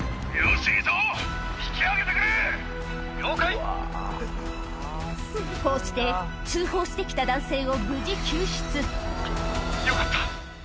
だがこうして通報して来た男性を無事よかった。